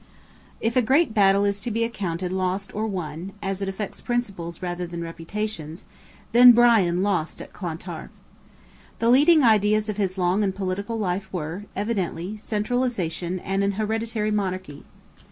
If a great battle is to be accounted lost or won, as it affects principles rather than reputations, then Brian lost at Clontarf. The leading ideas of his long and political life were, evidently, centralization and an hereditary monarchy.